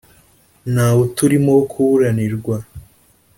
nta wuturimo wo kuburanirwa